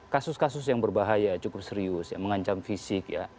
kasus kasus yang berbahaya cukup serius ya mengancam fisik ya